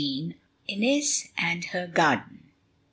INEZ AND HER GARDEN.